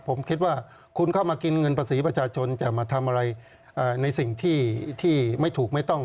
ผมคิดว่าคุณเข้ามากินเงินภาษีประชาชนจะมาทำอะไรในสิ่งที่ไม่ถูกไม่ต้อง